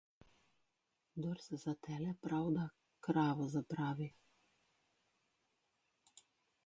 Kdor se za tele pravda, kravo zapravi.